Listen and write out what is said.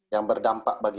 yang berdampak bagi daerahnya